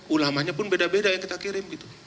ulama nya pun beda beda yang kita kirim